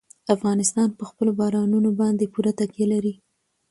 افغانستان په خپلو بارانونو باندې پوره تکیه لري.